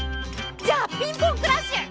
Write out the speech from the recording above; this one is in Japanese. じゃあピンポンクラッシュ！